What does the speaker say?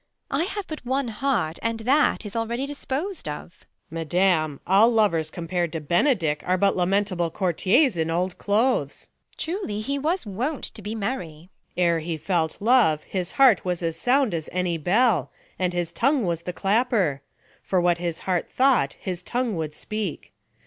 I have but one heart, And that is already disjDos'd of. Luc. Madam, all lovers compar'd to Benedick Are but lamentable courtiers in old clothes. Beat. Truly, he was wont to be merry. Luc. Ere he felt love his heart was as sound As any bell, and his tongue was the clapper : For what his heart thought his tongue would speak.